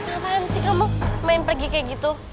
ngapain sih kamu main pergi kayak gitu